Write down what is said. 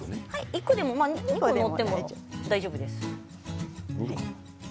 １個でも２個でも大丈夫です。